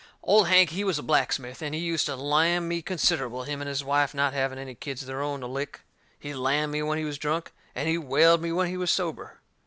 Old Hank, he was a blacksmith, and he used to lamm me considerable, him and his wife not having any kids of their own to lick. He lammed me when he was drunk, and he whaled me when he was sober.